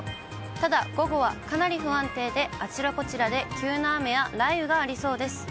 ただ、午後はかなり不安定で、あちらこちらで急な雨や雷雨がありそうです。